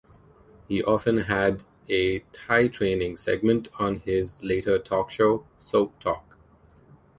He often had a "Ty Training" segment on his later talk show, "Soap Talk".